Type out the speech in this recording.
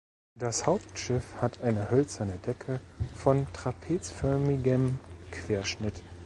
Das Hauptschiff hat eine hölzerne Decke von trapezförmigem Querschnitt.